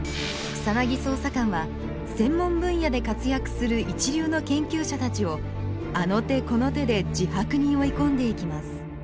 草捜査官は専門分野で活躍する一流の研究者たちをあの手この手で自白に追い込んでいきます。